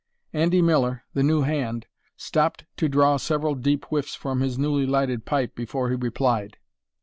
Andy Miller, the new hand, stopped to draw several deep whiffs from his newly lighted pipe before he replied.